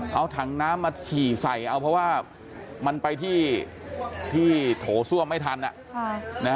เอาถังน้ำมาฉี่ใส่เอาเพราะว่ามันไปที่โถส้วมไม่ทัน